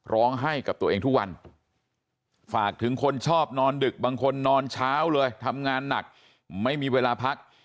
ร้องให้กับตัวเองทุกวันฝากถึงคนชอบนอนดึกบางคนนอนเช้าเลยทำงานหนักไม่มีเวลาพัก